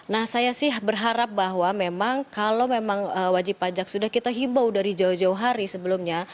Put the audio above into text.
nah saya sih berharap bahwa memang kalau memang wajib pajak sudah kita himbau dari jauh jauh hari sebelumnya